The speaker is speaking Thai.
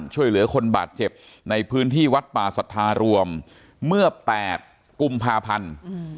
ช่วยเหลือคนบาดเจ็บในพื้นที่วัดป่าสัทธารวมเมื่อ๘กุมภาพันธ์